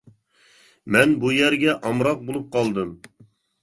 مەن بۇ يەرگە ئامراق بولۇپ قالدىم.